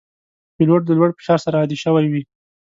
پیلوټ د لوړ فشار سره عادي شوی وي.